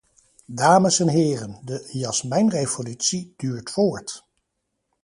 Dames en heren, de 'jasmijnrevolutie' duurt voort.